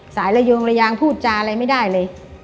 ระยงระยางพูดจาอะไรไม่ได้เลย